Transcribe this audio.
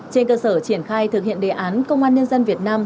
trên cơ sở triển khai thực hiện đề án công an nhân dân việt nam